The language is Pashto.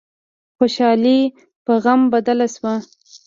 خوشحالي په غم بدله شوه.